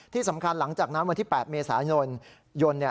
ที่สำคัญหลังจากนั้นวันที่๘เมษายน